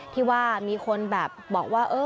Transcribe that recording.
ที่ว่ามีคนแบบบอกว่า